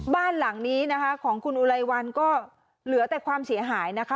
บ้านหลังนี้นะคะของคุณอุไลวันก็เหลือแต่ความเสียหายนะคะ